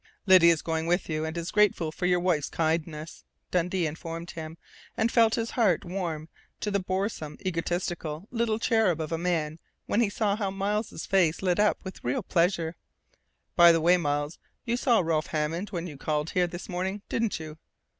"Lydia's going with you, and is grateful for your wife's kindness," Dundee informed him, and felt his heart warm to the boresome, egotistical little cherub of a man when he saw how Miles' face lit up with real pleasure. "By the way, Miles, you saw Ralph Hammond when you called here this morning, didn't you?"